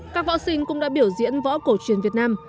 các võ sinh cũng đã biểu diễn võ cổ truyền việt nam